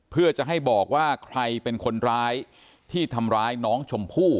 เพื่อจะให้บอกว่าใครเป็นคนร้ายที่ทำร้ายน้องชมพู่